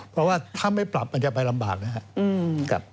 เพราะว่าถ้าไม่ปรับมันจะไปลำบากนะครับ